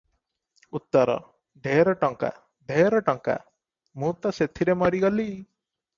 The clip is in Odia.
ଉତ୍ତର 'ଢ଼େର ଟଙ୍କା, ଢ଼େର ଟଙ୍କା, ମୁଁ ତ ସେଥିରେ ମରିଗଲି ।